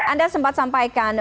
anda sempat sampaikan